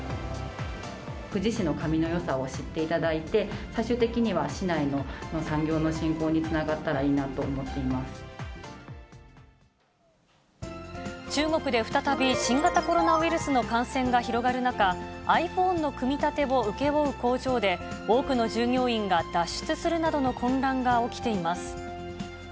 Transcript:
富士市の紙のよさを知っていただいて、最終的には市内の産業の振興につながったらいいなと思中国で再び新型コロナウイルスの感染が広がる中、ｉＰｈｏｎｅの組み立てを請け負う工場で、多くの従業員が脱出するなどの混乱が起きています。